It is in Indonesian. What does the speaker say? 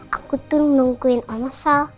aku tuh nungguin om sal